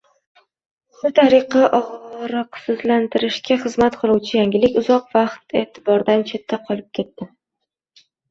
Shu tariqa og‘riqsizlantirishga xizmat qiluvchi yangilik uzoq vaqt e’tibordan chetda qolib ketdi